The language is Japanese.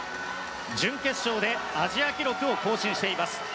準決勝でアジア記録を更新しています。